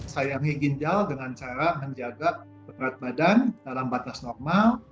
sayangi ginjal dengan cara menjaga berat badan dalam batas normal